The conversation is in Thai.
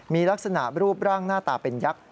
มีลักษณะรูปร่างหน้าตาเป็นยักษ์